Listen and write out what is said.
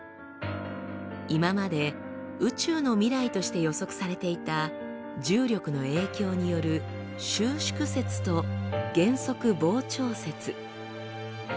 今まで宇宙の未来として予測されていた重力の影響による「収縮説」と「減速膨張説」。